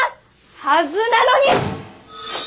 はずなのに！